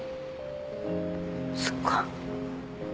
そっか。